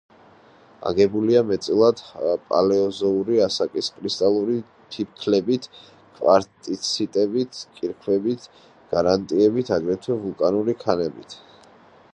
აგებულია მეტწილად პალეოზოური ასაკის კრისტალური ფიქლებით, კვარციტებით, კირქვებით, გრანიტებით, აგრეთვე ვულკანური ქანებით.